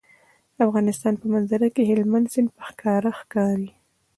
د افغانستان په منظره کې هلمند سیند په ښکاره ښکاري.